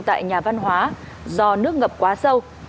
tại nhà văn hóa do nước ngập quá sâu